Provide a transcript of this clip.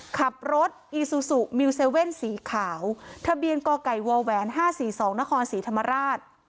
ขับรถอีซูซูมิวเซเว่นสีขาวทะเบียนกไก่วแหวน๕๔๒นครศรีธรรมราช